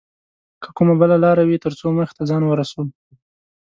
که کومه بله لاره وي تر څو موخې ته ځان ورسوو